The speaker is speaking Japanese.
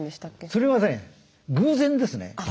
それはね偶然ですね。